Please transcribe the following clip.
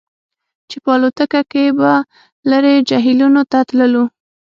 چې په الوتکه کې به لرې جهیلونو ته تللو